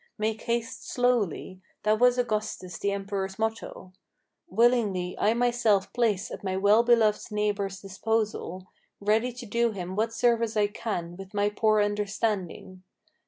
Make haste slowly: that was Augustus the emperor's motto. Willingly I myself place at my well beloved neighbor's disposal, Ready to do him what service I can with my poor understanding.